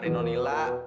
dan dan diantrai ad es